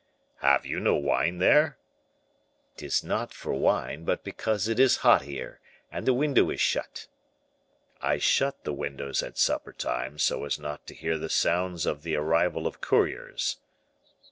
"Have you no wine there?" "'Tis not for wine, but because it is hot here, and the window is shut." "I shut the windows at supper time so as not to hear the sounds or the arrival of couriers."